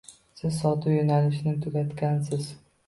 Siz sotuv yoʻnalishini tugatgansiz.